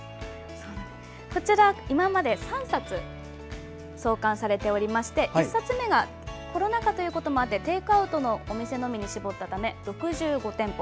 今まで３冊創刊されておりまして１冊目はコロナ禍ということもあってテイクアウトのみのお店に絞ったため６５店舗。